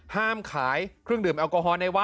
ห้ามขายเครื่องดื่มแอลกอฮอลในวัด